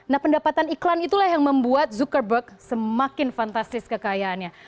nah pendapatan iklan itulah yang membuat zuckerberg semakin fantastis kekayaannya